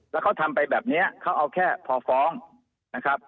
แล้วเขาทำไปแบบนี้เขาเอาแค่พอฟ้องนะครับ